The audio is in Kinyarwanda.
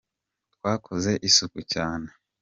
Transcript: Twakoze isuku cyane.